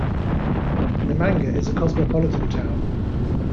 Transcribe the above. Namanga is a cosmopolitan town.